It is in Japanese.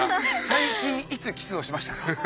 最近いつキスをしましたか？